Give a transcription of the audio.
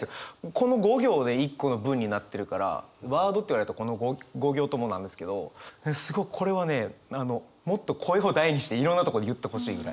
この５行で一個の文になってるからワードって言われるとこの５行ともなんですけどすごくこれはねもっと声を大にしていろんなところで言ってほしいぐらい。